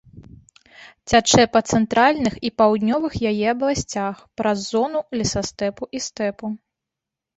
Цячэ па цэнтральных і паўднёвых яе абласцях праз зону лесастэпу і стэпу.